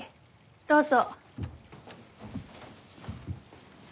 どうぞ。